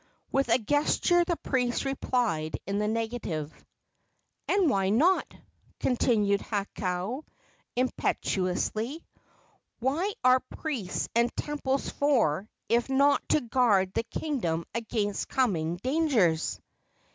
With a gesture the priest replied in the negative. "And why not?" continued Hakau, impetuously. "What are priests and temples for, if not to guard the kingdom against coming dangers?"